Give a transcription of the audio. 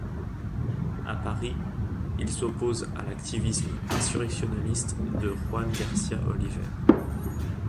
À Paris, il s’oppose à l'activisme insurrectionaliste de Juan García Oliver.